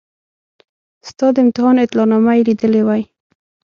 ستا د امتحان اطلاع نامه یې لیدلې وای.